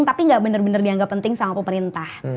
tapi nggak benar benar dianggap penting sama pemerintah